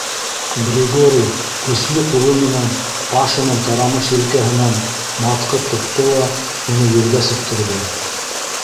Григорий көслө ҡулы менән Пашаның тарамыш елкәһенән матҡып тотто ла уны ергә сүктерҙе.